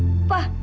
ya biar dimakan